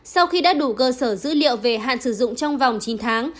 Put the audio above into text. sau khi đã đủ cơ sở dữ liệu về hạn sử dụng trong vòng chín tháng